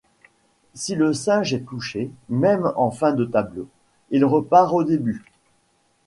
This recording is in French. Si le singe est touché même en fin de tableau, il repart au début.